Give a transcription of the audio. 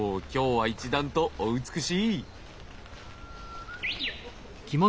今日は一段とお美しい！